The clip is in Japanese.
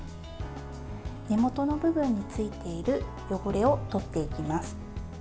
根元の部分についている汚れをとっていきます。